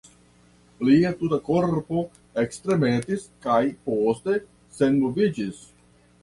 Lia tuta korpo ektremetis kaj poste senmoviĝis.